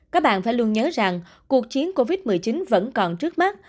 các bạn phải luôn nhớ rằng cuộc chiến covid một mươi chín vẫn còn trước mắt